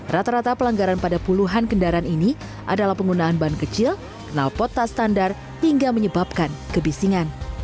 rata rata pelanggaran pada puluhan kendaraan ini adalah penggunaan ban kecil kenalpot tak standar hingga menyebabkan kebisingan